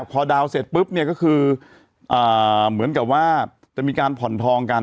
พอดาวน์เสร็จปุ๊บเนี่ยก็คือเหมือนกับว่าจะมีการผ่อนทองกัน